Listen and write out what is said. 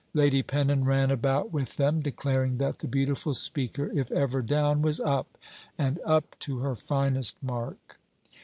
Lady Pennon ran about with them, declaring that the beautiful speaker, if ever down, was up, and up to her finest mark.